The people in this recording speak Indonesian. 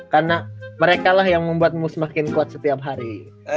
karena mereka lah yang membuatmu semakin kuat setiap hari